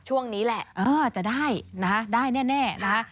ช่วงนี้แหละจะได้นะฮะได้แน่นะคะ